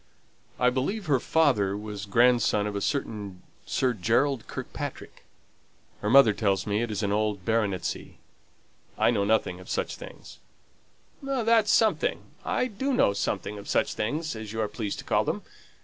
"I believe her father was grandson of a certain Sir Gerald Kirkpatrick. Her mother tells me it is an old baronetcy. I know nothing of such things." "That's something. I do know something of such things, as you are pleased to call them.